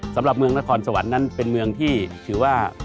สำหรับเมืองนครสวรรค์นั้นเป็นเมืองที่ถือว่า